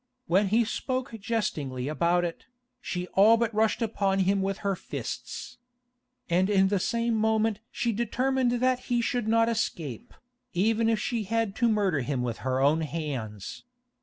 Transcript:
When he spoke jestingly about it, she all but rushed upon him with her fists. And in the same moment she determined that he should not escape, even if she had to murder him with her own hands.